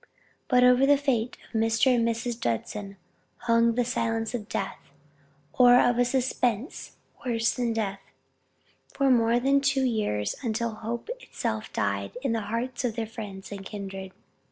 But over the fate of Mr. and Mrs. Judson hung the silence of death, or of a suspense worse than death, for more than two years, until hope itself died in the hearts of their friends and kindred.